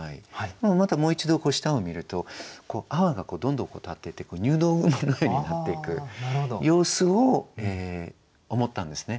またもう一度下を見ると泡がどんどん立ってて入道雲のようになっていく様子を思ったんですね。